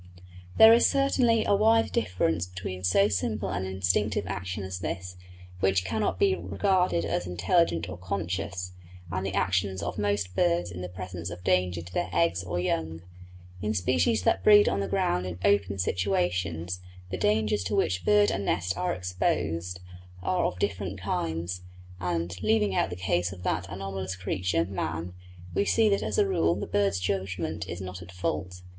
There is certainly a wide difference between so simple an instinctive action as this, which cannot be regarded as intelligent or conscious, and the actions of most birds in the presence of danger to their eggs or young. In species that breed on the ground in open situations the dangers to which bird and nest are exposed are of different kinds, and, leaving out the case of that anomalous creature, man, we see that as a rule the bird's judgment is not at fault.